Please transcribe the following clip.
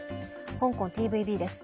香港ＴＶＢです。